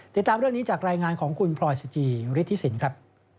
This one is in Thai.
ติดตามเรื่องนี้จากรายงานของคุณพลอยสจิฤทธิสินครับ